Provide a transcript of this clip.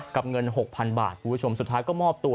กับเงิน๖๐๐๐บาทผู้ชมสุดท้ายก็มอบตัว